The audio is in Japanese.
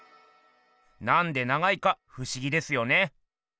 なんで長いかふしぎですよね。